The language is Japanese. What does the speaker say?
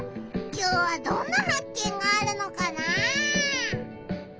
きょうはどんなはっ見があるのかな？